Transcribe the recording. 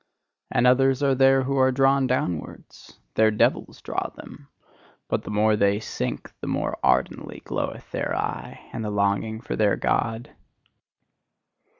And others are there who are drawn downwards: their devils draw them. But the more they sink, the more ardently gloweth their eye, and the longing for their God.